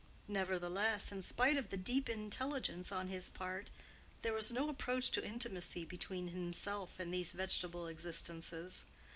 Nevertheless, in spite of this deep intelligence on his part, there was no approach to intimacy between himself and these vegetable existences.